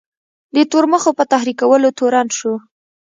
د تورمخو په تحریکولو تورن شو.